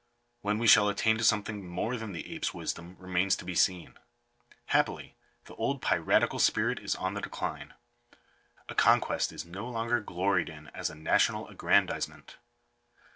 When we shall attain to something more than the ape's wisdom remains to be seen. Happily the old piratical spirit is on the decline. A conquest is no longer gloried in as a national aggrandisement.